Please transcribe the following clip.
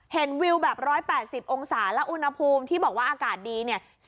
เห็นวิวแบบ๑๘๐องศาและอุณหภูมิที่บอกว่าอากาศดี